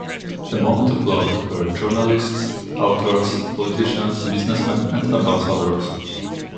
Among the blocked were journalists, authors, politicians, businessmen and ambassadors.